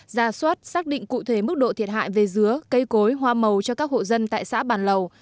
ra soát xác định cụ thể mức độ thiệt hại về dứa cây cối hoa màu cho các hộ dân tại xã bản lầu